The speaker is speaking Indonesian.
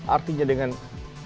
artinya dengan bismillah